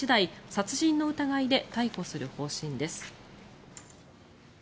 殺人の疑いで逮捕する方針です。